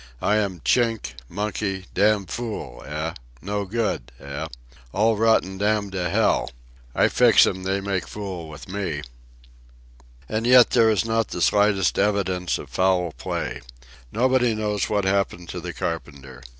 "I am Chink, monkey, damn fool, eh?—no good, eh? all rotten damn to hell. I fix 'em, they make fool with me." And yet there is not the slightest evidence of foul play. Nobody knows what happened to the carpenter.